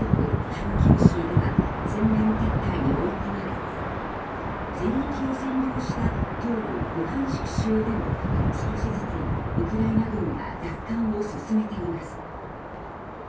ハルキウ州では全面撤退に追い込まれ全域を占領した東部ルハンシク州でも少しずつウクライナ軍が奪還を進めています。